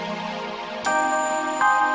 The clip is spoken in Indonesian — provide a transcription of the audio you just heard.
ini urusan anak kamu